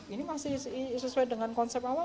ini masih sesuai dengan konsep awal